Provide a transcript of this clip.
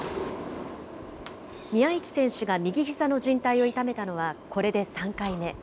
宮市選手が右ひざのじん帯を痛めたのは、これで３回目。